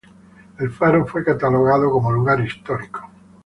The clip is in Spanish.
El faro fue catalogado como lugar histórico.